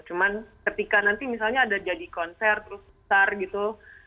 cuman ketika nanti misalnya ada jadi konser terus sar gitu